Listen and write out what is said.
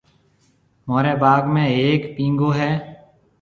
مهوريَ باگ ۾ هيَڪ پينگو هيَ۔